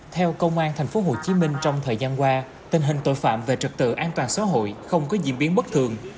theo công an tp hcm trong thời gian qua tình hình tội phạm về trực tự an toàn xã hội không có diễn biến bất thường